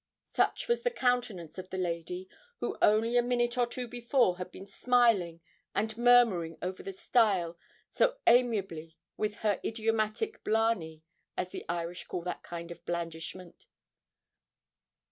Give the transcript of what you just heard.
Such was the countenance of the lady who only a minute or two before had been smiling and murmuring over the stile so amiably with her idiomatic 'blarney,' as the Irish call that kind of blandishment.